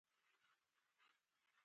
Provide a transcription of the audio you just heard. وسله د خویندو ورور وژني